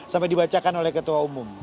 sampai dibacakan oleh ketua umum